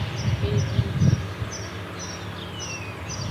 Xevi.